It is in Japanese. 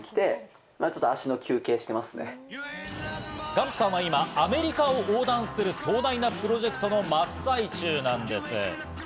ガンプさんは今、アメリカを横断する壮大なプロジェクトの真っ最中なんです。